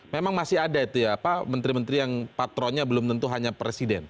memang masih ada itu ya menteri menteri yang patronnya belum tentu hanya presiden